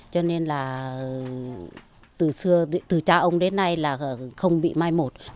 cho nên là từ xưa từ cha ông đến nay là không bị mai một